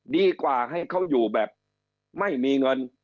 ดีกว่าให้เขาอยู่แบบไม่มีเงิน